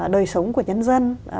đời sống của nhân dân